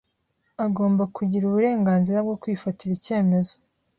Agomba kugira uburenganzira bwo kwifatira icyemezo.